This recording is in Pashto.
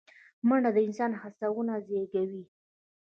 منډه د انسان هڅونه زیږوي